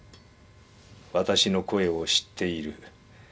わたしの声を知っている。